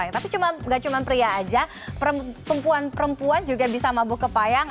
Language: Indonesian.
tapi tidak cuma pria saja perempuan perempuan juga bisa mabuk ke payang